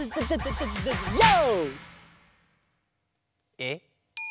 えっ？